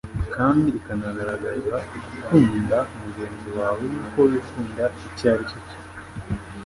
kandi ikanagaragaza gukunda mugenzi wawe nk'uko wikunda icyo ari cyo.